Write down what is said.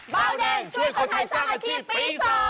เบาแดงช่วยคนไทยสร้างอาชีพปี๒